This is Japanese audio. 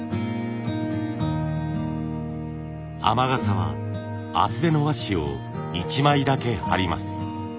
雨傘は厚手の和紙を１枚だけ貼ります。